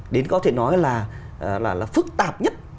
đến có thể nói là phức tạp nhất